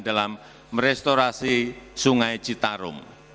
dalam merestorasi sungai citarum